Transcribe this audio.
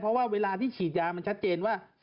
เพราะว่าเวลาที่ฉีดยามันชัดเจนว่า